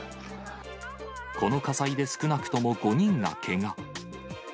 この火災で少なくとも５人がけが。